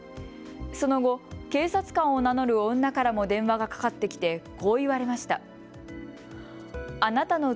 その後、警察官を名乗る女からも電話がかかってきてこう言われました。